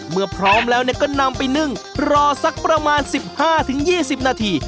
พร้อมแล้วก็นำไปนึ่งรอสักประมาณ๑๕๒๐นาที